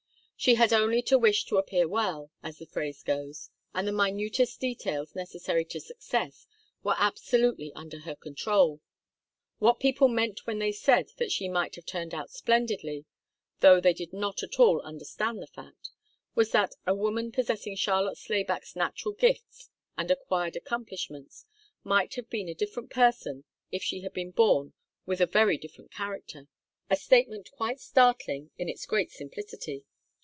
She had only to wish to appear well, as the phrase goes, and the minutest details necessary to success were absolutely under her control. What people meant when they said that she might have turned out splendidly though they did not at all understand the fact was that a woman possessing Charlotte Slayback's natural gifts and acquired accomplishments might have been a different person if she had been born with a very different character a statement quite startling in its great simplicity.